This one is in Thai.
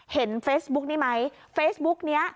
เห็นเฟซบุ๊กนี้ไหมเฟซบุ๊กนี้